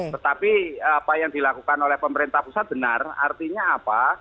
tetapi apa yang dilakukan oleh pemerintah pusat benar artinya apa